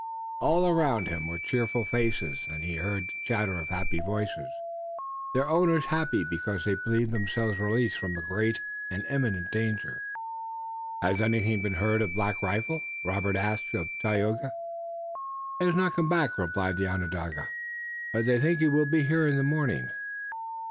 All around him were cheerful faces and he heard the chatter of happy voices, their owners happy because they believed themselves released from a great and imminent danger. "Has anything been heard of Black Rifle?" Robert asked of Tayoga. "He has not come back," replied the Onondaga, "but they think he will be here in the morning."